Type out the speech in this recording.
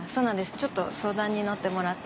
ちょっと相談に乗ってもらってて。